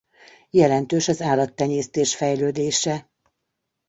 Jelentős az állattenyésztés fejlődése.